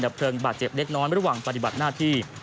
เลิงบาดเจ็บเล็กน้อยระหว่างปฏิบัติหน้าที่